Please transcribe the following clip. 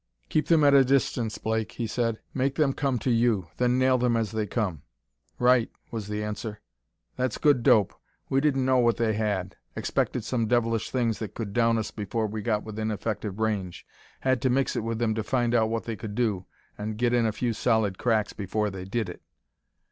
"Keep them at a distance, Blake," he said. "Make them come to you then nail them as they come." "Right!" was the answer; "that's good dope. We didn't know what they had; expected some devilish things that could down us before we got within effective range; had to mix it with them to find out what they could do, and get in a few solid cracks before they did it.